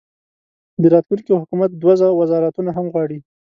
د راتلونکي حکومت دوه وزارتونه هم غواړي.